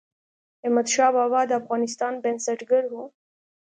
احمدشاه بابا د افغانستان بنسټګر و.